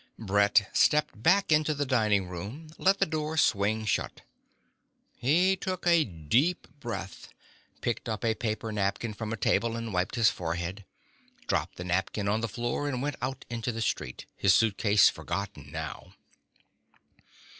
Brett stepped back into the dining room, let the door swing shut. He took a deep breath, picked up a paper napkin from a table and wiped his forehead, dropped the napkin on the floor and went out into the street, his suitcase forgotten now.